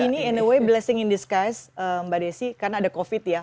ini in a way blessing in disguise mbak desi karena ada covid ya